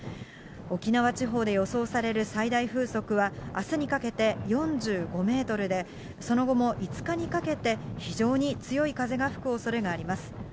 沖縄地方で予想される最大風速は、あすにかけて４５メートルで、その後も５日にかけて、非常に強い風が吹くおそれがあります。